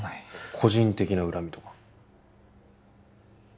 個人的な恨みとか？